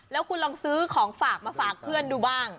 แล้วคุณลองซื้อของฝากมาฝากเพื่อนดูบ้าง